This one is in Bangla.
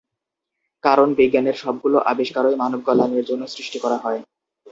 কারন বিজ্ঞানের সবগুলাে আবিষ্কারই মানব কল্যাণের জন্য সৃষ্টি করা হয়।